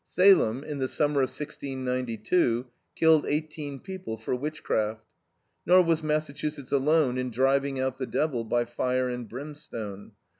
Salem, in the summer of 1692, killed eighteen people for witchcraft. Nor was Massachusetts alone in driving out the devil by fire and brimstone.